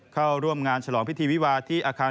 เข้าร่วมงานฉลองพิธีวิวาที่อาคาร